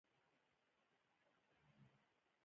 هلته ملکي وګړي هم وو خو موږ کار نه درلود